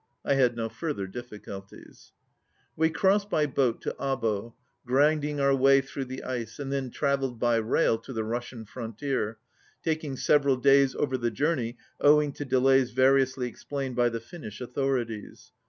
I had no further difficulties. We crossed by boat to Abo, grinding our way through the ice, and then travelled by rail to the Russian frontier, taking several days over the journey owing to delays variously explained by the Finnish authorities.